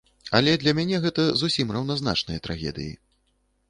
Але для мяне гэта зусім раўназначныя трагедыі.